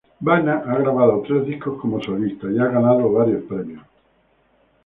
Vanna ha grabado tres discos como solista y ha ganado varios premios.